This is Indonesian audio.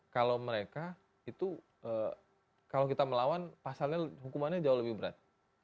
kalau mereka itu kalau kita melawan pasalnya hukumannya jauh lebih berat